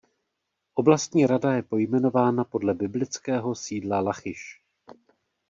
Oblastní rada je pojmenována podle biblického sídla Lachiš.